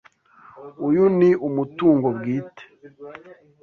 Uyu ni umutungo bwite.